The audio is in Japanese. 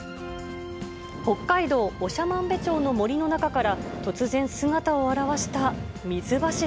北海道長万部町の森の中から、突然、姿を現した水柱。